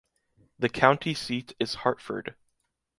The county seat is Hartford.